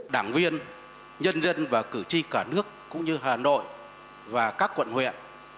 đảng viên nhân dân và cử tri cả nước cũng như hà nội và các quận huyện